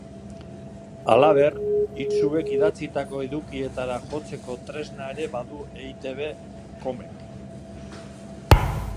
Halaber, itsuek idatzitako edukietara jotzeko tresna ere badu eitb, com-ek.